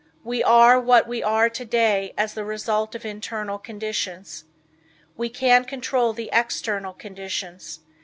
We are what we are today as the result of internal conditions. We can control the external conditions.